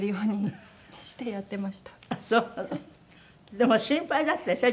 でも心配だったでしょ？